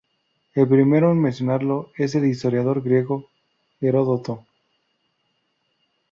El primero en mencionarlo es el historiador griego Heródoto.